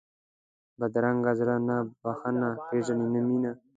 بدرنګه زړه نه بښنه پېژني نه مینه